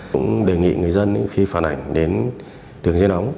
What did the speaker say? cũng đề nghị người dân khi phản ảnh đến đường dây nóng